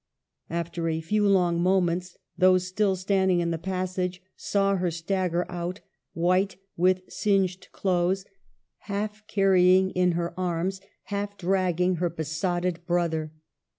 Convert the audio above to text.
After a few long mo ments, those still standing in the passage saw her stagger out, white, with singed clothes, half 170 EMILY BRONTE: carrying in her arms, half dragging, her besotted brother.